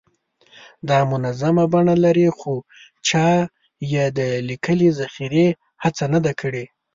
دا منظومه بڼه لري خو چا یې د لیکلې ذخیرې هڅه نه ده کړې.